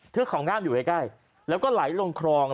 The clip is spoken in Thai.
เทือกเขาง่ามอยู่ใกล้แล้วก็ไหลลงครอง